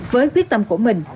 với quyết tâm của mình